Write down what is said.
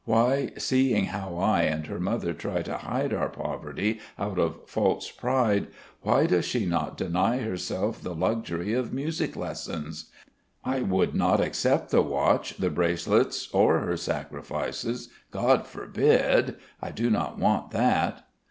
Why, seeing how I and her mother try to hide our poverty, out of false pride why does she not deny herself the luxury of music lessons? I would not accept the watch, the bracelets, or her sacrifices God forbid! I do not want that.